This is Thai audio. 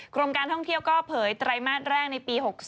กรมการท่องเที่ยวก็เผยไตรมาสแรกในปี๖๒